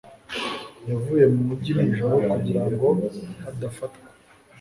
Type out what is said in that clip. yavuye mu mujyi nijoro kugira ngo adafatwa